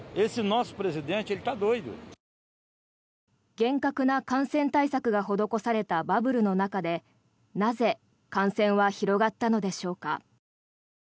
厳格な感染対策が施されたバブルの中でなぜ、感染は広がったのでしょうか。